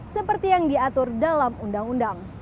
seperti yang diatur dalam undang undang